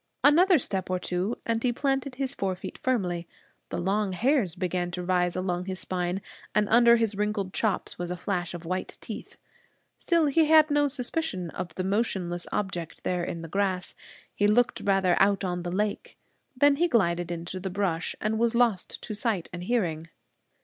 Another step or two, and he planted his fore feet firmly. The long hairs began to rise along his spine, and under his wrinkled chops was a flash of white teeth. Still he had no suspicion of the motionless object there in the grass. He looked rather out on the lake. Then he glided into the brush and was lost to sight and hearing.